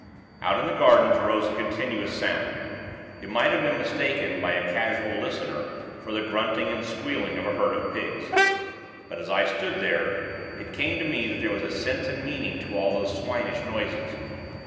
Out in the gardens rose a continuous sound. It might have been mistaken, by a casual listener, for the grunting and squealing of a herd of pigs. But, as I stood there, it came to me that there was sense and meaning to all those swinish noises.